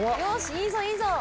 いいぞいいぞ。